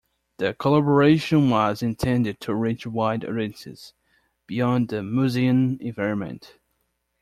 The collaboration was intended to reach wide audiences beyond the museum environment.